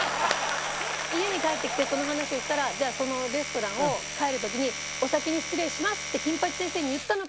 家に帰ってきてその話をしたらじゃあそのレストランを帰る時に「“お先に失礼します”って金八先生に言ったのか？」